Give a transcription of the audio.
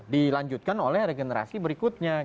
dilanjutkan oleh generasi berikutnya